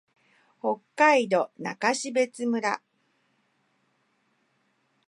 北海道中札内村